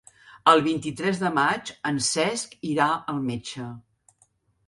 El vint-i-tres de maig en Cesc irà al metge.